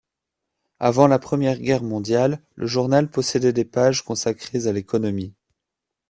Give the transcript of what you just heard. Avant la Première Guerre mondiale, le journal possédait des pages consacrées à l'économie.